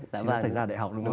thì nó xảy ra đại học đúng không